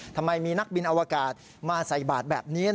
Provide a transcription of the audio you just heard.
ทำไมมีนักบินอวกาศมาใส่บาทแบบนี้